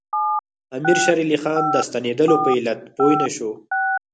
امیر شېر علي خان د ستنېدلو په علت پوه نه شو.